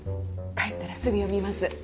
帰ったらすぐ読みます。